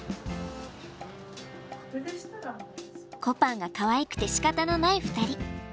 こぱんがかわいくてしかたのない２人。